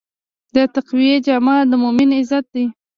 د تقوی جامه د مؤمن عزت دی.